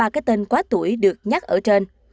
ba cái tên quá tuổi được nhắc ở trên